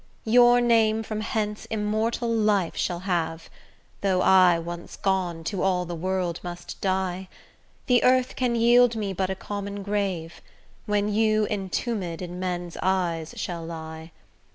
Your name from hence immortal life shall have, Though I, once gone, to all the world must die: The earth can yield me but a common grave, When you entombed in men's eyes shall lie.